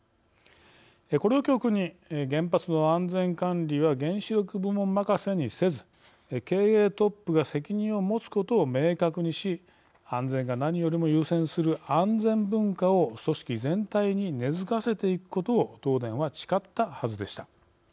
これを教訓に原発の安全管理は原子力部門まかせにせず経営トップが責任を持つことを明確にし安全が何よりも優先する安全文化を組織全体に根付かせていくことを東電は誓ったはずでした。